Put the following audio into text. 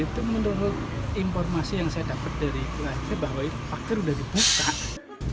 nah itu menurut informasi yang saya dapat dari pelajar bahwa faktor sudah dibuka